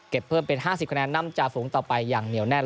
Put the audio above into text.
เพิ่มเป็น๕๐คะแนนนำจากฝูงต่อไปอย่างเหนียวแน่น